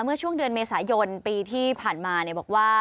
เมื่อช่วงเดือนเมษายนปีที่ผ่านมาบอกว่า